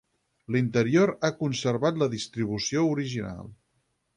L'interior ha conservat la distribució original.